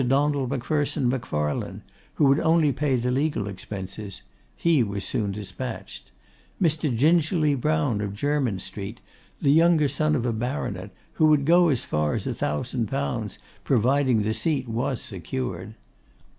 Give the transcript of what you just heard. Donald Macpherson Macfarlane, who would only pay the legal expenses; he was soon despatched. Mr. Gingerly Browne, of Jermyn Street, the younger son of a baronet, who would go as far as 1000_l._ provided the seat was secured.